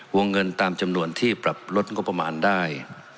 วงเงินตามจำนวนที่ปรับลดงบประมาณได้